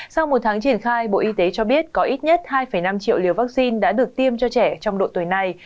sau một tháng triển khai bộ y tế cho biết có ít nhất hai năm triệu liều vaccine đã được tiêm cho trẻ trong độ tuổi này